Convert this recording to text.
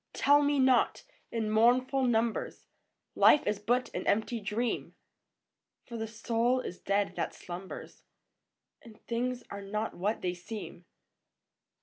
Tell me not, in mournful numbers, Life is but an empty dream ! For the soul is dead that slumbers. And things are not what they seem.